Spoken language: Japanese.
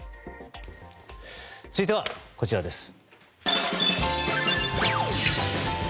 続いては、こちらです。